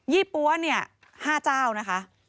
ี่ปั๊วเนี่ย๕เจ้านะคะ